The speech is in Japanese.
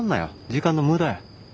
時間の無駄や。